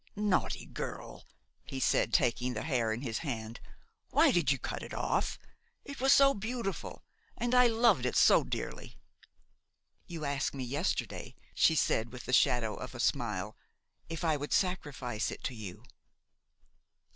"Naughty girl!" he said, taking the hair in his hand, "why did you cut it off? It was so beautiful, and I loved it so dearly!" "You asked me yesterday," she said with the shadow of a smile, "if I would sacrifice it to you."